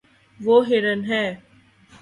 وہ ہرن ہے